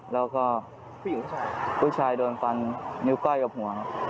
แล้วก็ผู้ชายผู้ชายโดนฟันนิ้วก้อยกับหัว